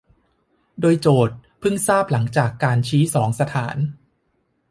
โดยโจทก์เพิ่งทราบหลังจากการชี้สองสถาน